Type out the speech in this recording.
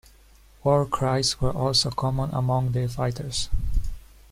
War cries were also common among their fighters.